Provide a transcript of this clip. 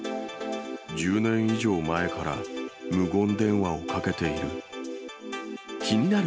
１０年以上前から無言電話をかけている。